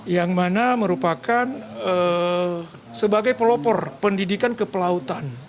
yang mana merupakan sebagai pelopor pendidikan kepelautan